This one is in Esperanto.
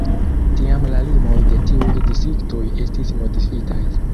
Tiam la limoj de tiuj distriktoj estis modifitaj.